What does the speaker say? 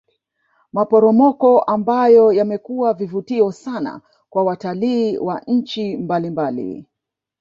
Maporomoko ambayo yamekuwa vivutio sana kwa watalii wa nchi mbalimbali